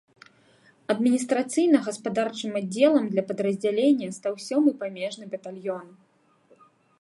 Адміністрацыйна-гаспадарчым аддзелам для падраздзялення стаў сёмы памежны батальён.